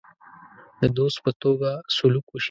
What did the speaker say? د دوست په توګه سلوک وشي.